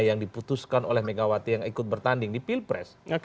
yang diputuskan oleh megawati yang ikut bertanding di pilpres